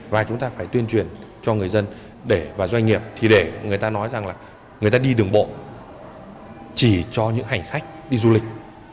và chúng ta phải tuyên truyền cho người dân và doanh nghiệp thì để người ta nói rằng là người ta đi đường bộ chỉ cho những hành khách đi du lịch